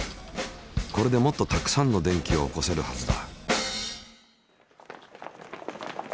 これでもっとたくさんの電気を起こせるはずだ。